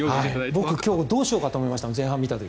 僕、今日どうしようと思いました